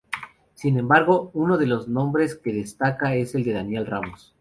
Sin embargo, uno de los nombres que destaca es el de Daniel Ramos.